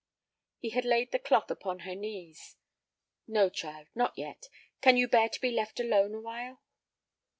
He had laid the cloth upon her knees. "No, child, not yet. Can you bear to be left alone awhile?"